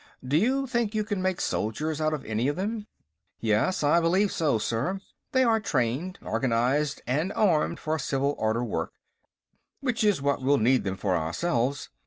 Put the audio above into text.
Do you think you can make soldiers out of any of them?" "Yes, I believe so, sir. They are trained, organized and armed for civil order work, which is what we'll need them for ourselves.